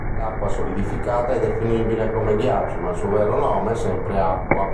L'acqua solidificata è definibile come "ghiaccio", ma il suo vero nome è sempre "acqua".